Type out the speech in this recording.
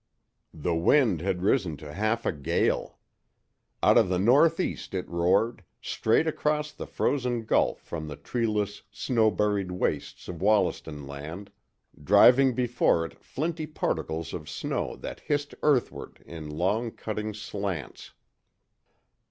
The wind had risen to half a gale. Out of the northeast it roared, straight across the frozen gulf from the treeless, snow buried wastes of Wollaston Land, driving before it flinty particles of snow that hissed earthward in long cutting slants.